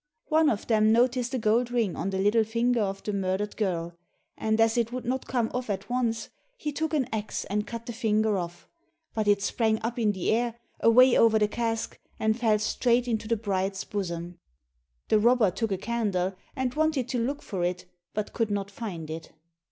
One of them noticed a gold ring on the little finger of the murdered girl, and as it would not come off at once, he took an axe and cut the finger off, but it sprang up in the air, away over the cask and fell straight into the bride's bosom. The robber took a candle and wanted to look for it, but could not find it.